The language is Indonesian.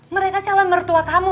mereka calon mertua kamu